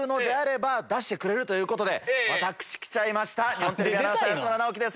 日本テレビアナウンサー安村直樹です